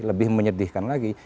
lebih menyedihkan lagi